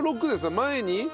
前に？